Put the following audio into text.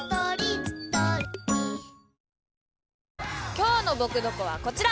今日の「ぼくドコ」はこちら！